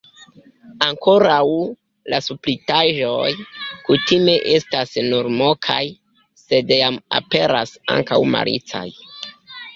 Ankoraŭ la spritaĵoj kutime estas nur mokaj, sed jam aperas ankaŭ malicaj.